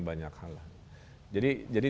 banyak hal jadi